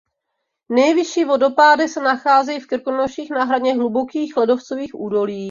Nejvyšší vodopády se nacházejí v Krkonoších na hraně hlubokých ledovcových údolí.